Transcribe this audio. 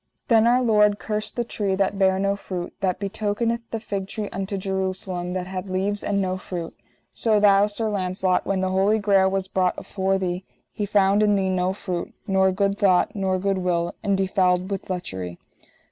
Then Our Lord cursed the tree that bare no fruit; that betokeneth the fig tree unto Jerusalem, that had leaves and no fruit. So thou, Sir Launcelot, when the Holy Grail was brought afore thee, He found in thee no fruit, nor good thought nor good will, and defouled with lechery.